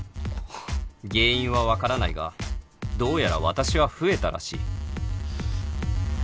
原因は分からないがどうやら私は増えたらしい